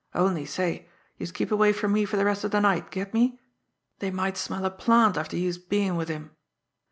Only, say, youse keep away from me fer de rest of de night get me? Dey might smell a plant after youse bein' wid him.